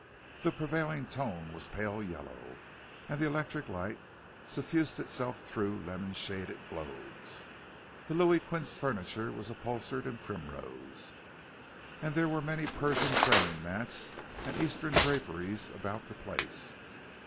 The prevailing tone was pale yellow, and the electric light suffused itself through lemon shaded globes. The Louis Quinze furniture was upholstered in primrose, and there were many Persian praying mats and Eastern draperies about the place.